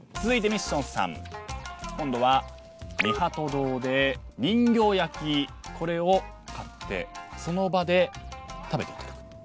続いてミッション３。今度は三鳩堂で人形焼きこれを買ってその場で食べていただく。